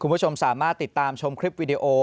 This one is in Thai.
คุณผู้ชมสามารถติดตามชมคลิปวิดีโอ